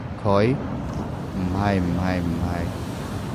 佢？唔係唔係唔係